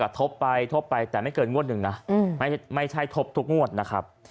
ทบไปทบไปแต่ไม่เกินงวดหนึ่งนะไม่ใช่ทบทุกงวดนะครับ